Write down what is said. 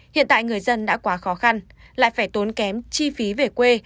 hiện tại người dân đã quá khó khăn lại phải tốn kém chi phí về quê